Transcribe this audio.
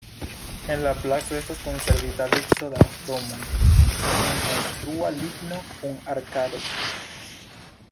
En la placo estas konservita vico da domoj el konstrua ligno kun arkadoj.